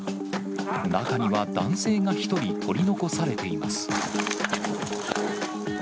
中には男性が１人、取り残されています。